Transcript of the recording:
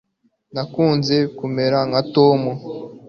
nakunze kumera nka tom